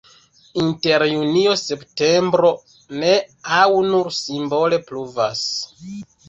Inter junio-septembro ne aŭ nur simbole pluvas.